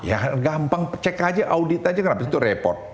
ya gampang cek aja audit aja kenapa itu repot